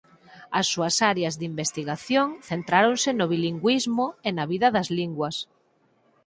As súas áreas de investigación centráronse no bilingüismo e na vida das linguas.